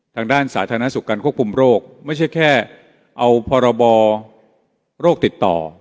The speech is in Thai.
ทางด้านสาธารณสุขการควบคุมโรคไม่ใช่แค่เอาพรบโรคติดต่อ